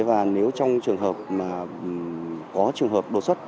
và nếu trong trường hợp mà có trường hợp đột xuất